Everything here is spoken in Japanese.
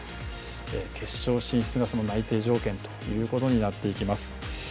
決勝進出が内定条件というふうになっていきます。